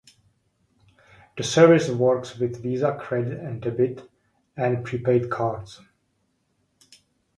The service works with Visa credit, debit, and prepaid cards.